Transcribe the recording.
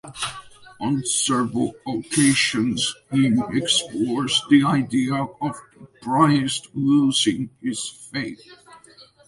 On several occasions he explores the idea of a priest losing his faith.